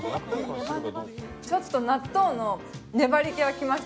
ちょっと納豆の粘り気はきました。